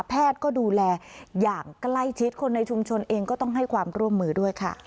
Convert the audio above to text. แพทย์ก็ดูแลอย่างใกล้ชิดคนในชุมชนเองก็ต้องให้ความร่วมมือด้วยค่ะ